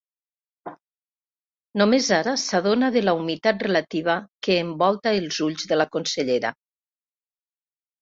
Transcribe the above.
Només ara s'adona de la humitat relativa que envolta els ulls de la consellera.